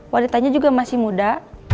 wanitanya juga masih muda